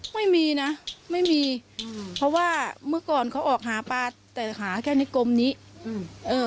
ไม่มีนะไม่มีเพราะว่าเมื่อก่อนเขาออกหาปลาแต่หาแค่ในกรมนี้